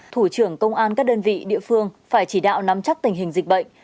thủ trưởng công an các đơn vị địa phương phải chỉ đạo nắm chắc tình hình dịch bệnh